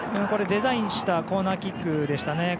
デザインしたコーナーキックでしたね。